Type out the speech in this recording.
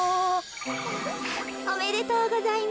おめでとうございます。